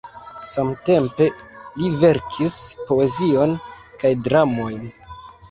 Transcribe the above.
Samtempe li verkis poezion kaj dramojn.